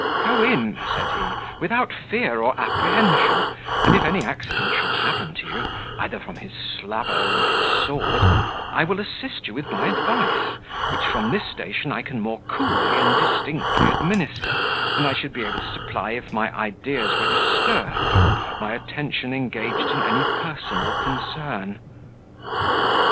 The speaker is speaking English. "Go in," said he, "without fear or apprehension; and if any accident shall happen to you, either from his slaver or his sword, I will assist you with my advice, which from this station I can more coolly and distinctly administer, than I should be able to supply if my ideas were disturbed, or my attention engaged in any personal concern."